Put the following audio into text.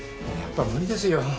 やっぱ無理ですよ。